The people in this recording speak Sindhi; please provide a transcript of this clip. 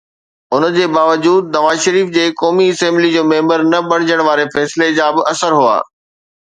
ان جي باوجود نواز شريف جي قومي اسيمبليءَ جو ميمبر نه بڻجڻ واري فيصلي جا ٻه اثر هئا.